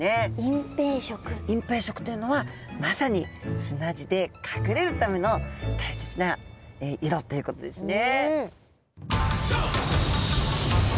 隠蔽色というのはまさに砂地で隠れるための大切な色ということですね。